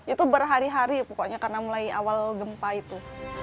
itu berhari hari pokoknya karena mulai awal gempa itu